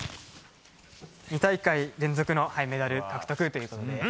２大会連続のメダル獲得ということで。